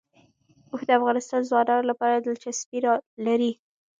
اوښ د افغان ځوانانو لپاره دلچسپي لري.